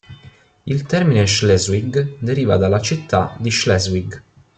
Il termine "Schleswig" deriva dalla città di Schleswig.